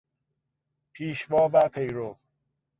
پیشوا و پیرو